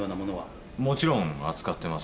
もちろん扱ってます。